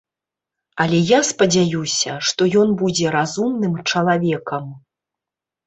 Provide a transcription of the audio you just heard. Але я спадзяюся, што ён будзе разумным чалавекам.